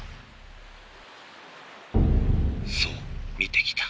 そう見てきた。